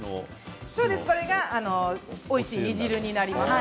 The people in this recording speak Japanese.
おいしい煮汁になります。